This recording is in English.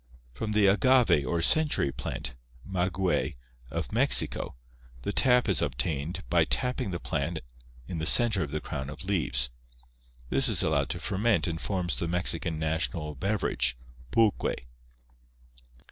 From the agave or "century plant" (maguey) of Mexico the sap is obtained by tapping the plant in the center of the crown of leaves. This is allowed to ferment and forms the Mexican national beverage, "pulque."